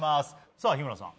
さあ日村さん